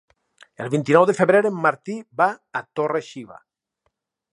El vint-i-nou de febrer en Martí va a Torre-xiva.